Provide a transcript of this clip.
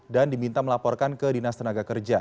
dan diminta melaporkan ke dinas tenaga kerja